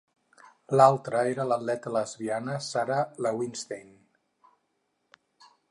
L'altra era l'atleta lesbiana Sara Lewinstein.